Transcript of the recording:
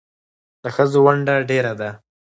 د ښځو ونډه ډېره ده